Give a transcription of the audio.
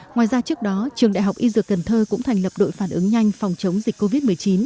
ngoài ra trước đó trường đại học y dược cần thơ cũng thành lập đội phản ứng nhanh phòng chống dịch covid một mươi chín